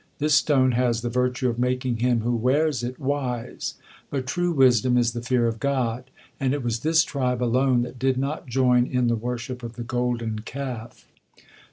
This stone has the virtue of making him who wears it wise; but true wisdom is the fear of God, and it was this tribe alone that did not join in the worship of the Golden Calf.